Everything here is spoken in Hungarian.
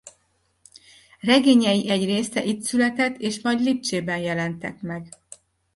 Regényei egy része itt született és majd Lipcsében jelentek meg.